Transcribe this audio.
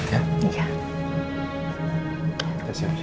tidak ada kebunsihan dulu